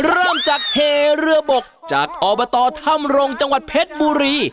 เริ่มจากเทเรือบกจากอบตถ้ำรงจังหวัดเพชรบุรี